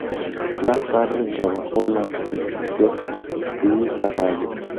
Más tarde trabajó en la prestigiosa Clínica Mayo.